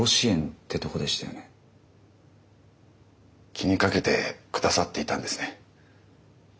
気に掛けてくださっていたんですね。